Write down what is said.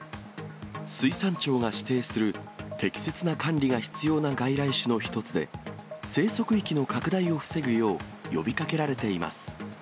水産庁が指定する、適切な管理が必要な外来種の一つで、生息域の拡大を防ぐよう呼びかけられています。